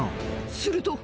すると。